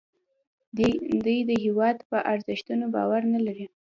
دی د هیواد په ارزښتونو باور نه لري